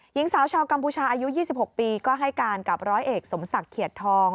หญิงสาวชาวกัมพูชาอายุ๒๖ปีก็ให้การกับร้อยเอกสมศักดิ์เขียดทอง